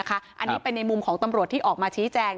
อันนี้เป็นในมุมของตำรวจที่ออกมาชี้แจง